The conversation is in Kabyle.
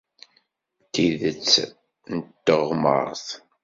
D tidet n teɣmert.